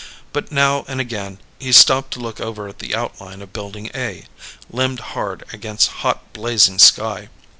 But now and again he stopped to look over at the outline of Building A, limned hard against hot blazing sky.